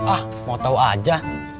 ah mau tau aja